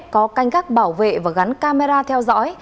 có canh gác bảo vệ và gắn camera theo dõi